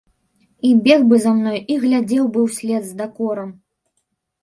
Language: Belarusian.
І бег бы за мной, і глядзеў бы ўслед з дакорам.